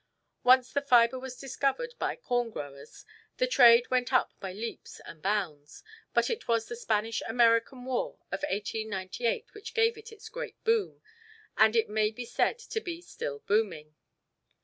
Once the fibre was discovered by the corn growers, the trade went up by leaps and bounds; but it was the Spanish American War of 1898 which gave it its great boom, and it may be said to be still "booming."